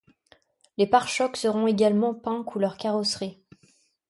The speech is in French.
Les pare-chocs seront également peint couleur carrosserie.